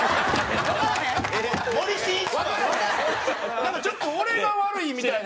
なんかちょっと俺が悪いみたいな。